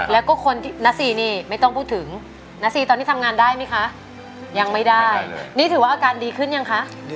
แล้วก็คนนัทศรีครับไม่ต้องพูดถึง